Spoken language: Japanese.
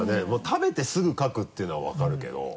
食べてすぐかくっていうのは分かるけど。